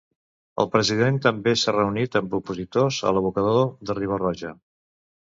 El president també s'ha reunit amb opositors a l'abocador de Riba-roja.